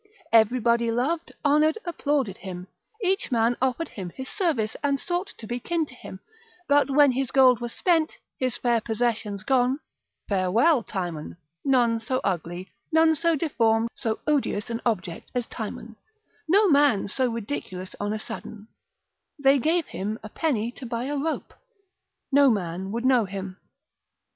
Everybody loved, honoured, applauded him, each man offered him his service, and sought to be kin to him; but when his gold was spent, his fair possessions gone, farewell Timon: none so ugly, none so deformed, so odious an object as Timon, no man so ridiculous on a sudden, they gave him a penny to buy a rope, no man would know him.